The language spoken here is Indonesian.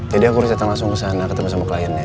jadi aku harus datang langsung kesana ketemu sama kliennya